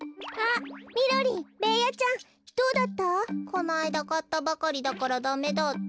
このあいだかったばかりだからダメだって。